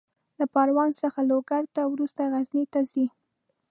له پروان څخه لوګر ته، وروسته غزني ته ځي.